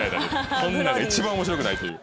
こんなんが一番面白くないという。